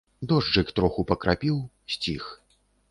Дожджык троху пакрапіў, сціх.